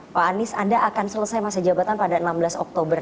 pak anies anda akan selesai masa jabatan pada enam belas oktober